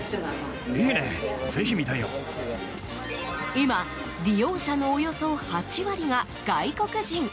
今、利用者のおよそ８割が外国人。